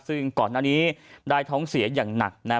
ซึ่งก่อนหน้านี้ได้ท้องเสียอย่างหนักนะฮะ